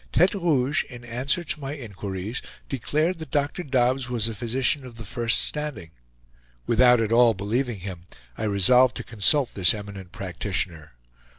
Tete Rouge, in answer to my inquiries, declared that Dr. Dobbs was a physician of the first standing. Without at all believing him, I resolved to consult this eminent practitioner.